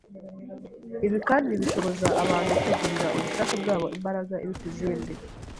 Ibi kandi bishoboza abantu kwegurira ubushake bwabo imbaraga iruta izindi